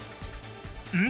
「うん？